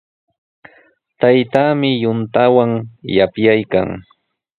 Taytaami yuntawan yapyaykan.